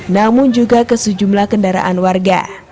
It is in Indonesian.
namun juga ke sejumlah kendaraan warga